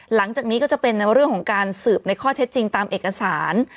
หลังจากนี้ก็จะเป็นในเรื่องของการสืบในข้อเท็จจริงตามเอกสาร